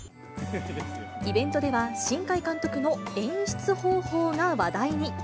イベントでは、新海監督の演出方法が話題に。